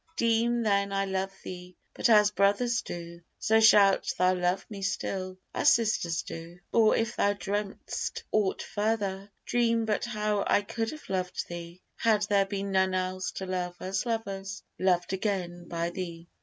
Deem then I love thee but as brothers do, So shalt thou love me still as sisters do; Or if thou dream'st aught farther, dream but how I could have loved thee, had there been none else To love as lovers, loved again by thee.